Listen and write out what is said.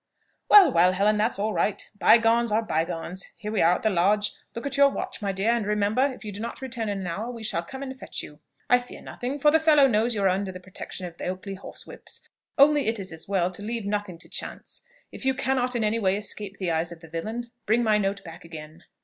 "Well, well, Helen, that's all right, by gones are by gones. Here we are at the Lodge. Look at your watch, my dear; and remember, if you do not return in an hour, we shall come and fetch you. I fear nothing, for the fellow knows you are under the protection of the Oakley horsewhips; only it is as well to leave nothing to chance. If you cannot in any way escape the eyes of the villain, bring my note back again.